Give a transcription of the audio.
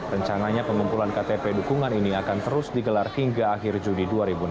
rencananya pengumpulan ktp dukungan ini akan terus digelar hingga akhir juni dua ribu enam belas